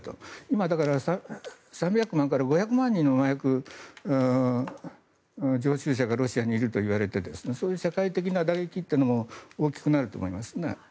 今、だから３００万から５００万人の麻薬常習者がロシアにいるといわれててそういう社会的な打撃というのも大きくなると思いますね。